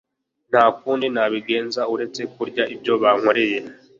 Nta kundi nabigenza uretse kurya ibyo bankorera